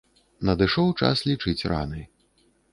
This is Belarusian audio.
Надышоў час лічыць раны.